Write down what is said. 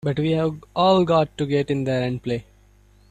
But we've all got to get in there and play!